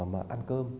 mà ăn cơm